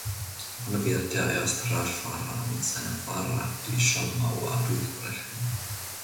Wann wird der erste Radfahrer mit seinem Fahrrad die Schallmauer durchbrechen?